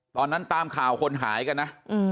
ตอนนั้นตามข่าวคนหายกันนะ